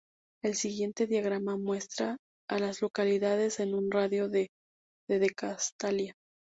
El siguiente diagrama muestra a las localidades en un radio de de Castalia.